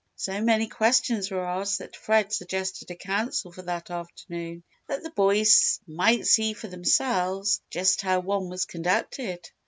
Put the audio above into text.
So many questions were asked that Fred suggested a Council for that afternoon, that the boys might see for themselves just how one was conducted.